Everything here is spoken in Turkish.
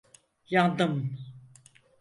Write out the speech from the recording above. Yandım!